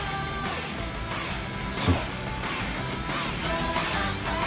すまん。